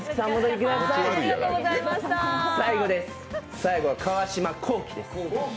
最後は川島後期です。